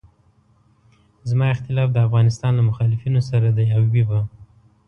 زما اختلاف د افغانستان له مخالفینو سره دی او وي به.